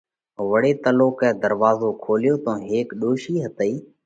وۯي تلُوڪئہ ڌروازو کوليو تو هيڪ ڏوشِي هتئِي۔